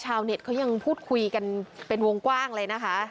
ชาวเน็ตเขายังพูดคุยกันเป็นวงกว้างเลยนะคะ